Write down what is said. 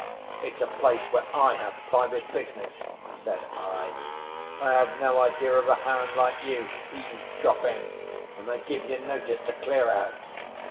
"It's a place where I have private business," said I. "I have no idea of a hound like you eavesdropping, and I give you notice to clear out."